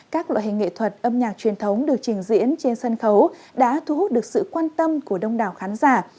các loại hình nghệ thuật âm nhạc truyền thống được trình diễn trên sân khấu đã thu hút được sự quan tâm của đông đảo khán giả